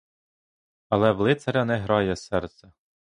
Але в лицаря не грає серце.